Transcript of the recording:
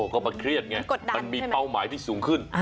ก็มาเครียดไงมันมีเป้าหมายที่สูงขึ้น